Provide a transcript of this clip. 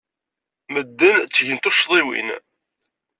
Medden ttgen tuccḍiwin.